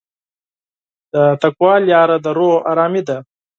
د تقوی لاره د روح ارامي ده.